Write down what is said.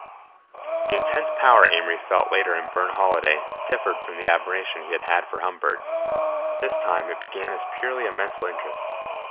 The intense power Amory felt later in Burne Holiday differed from the admiration he had had for Humbird. This time it began as purely a mental interest.